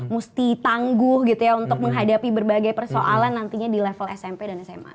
mesti tangguh gitu ya untuk menghadapi berbagai persoalan nantinya di level smp dan sma